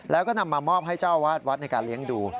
แล้วก็นำมามอบให้เจ้าวาดวัดในการเลี้ยงดู